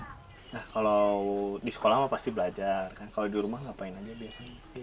nah kalau di sekolah mah pasti belajar kan kalau di rumah ngapain aja biasanya